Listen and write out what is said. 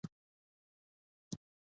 لاسونه خدای ورکړي نعمت دی